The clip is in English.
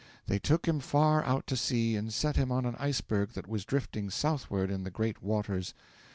'They took him far out to sea and set him on an iceberg that was drifting southward in the great waters.